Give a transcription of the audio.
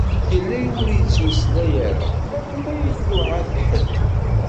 Yella ur yettmeslay ara ala ma iluεa-t ḥedd.